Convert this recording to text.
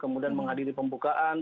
kemudian menghadiri pembukaan